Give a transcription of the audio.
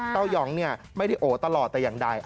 ยองเนี่ยไม่ได้โอตลอดแต่อย่างใด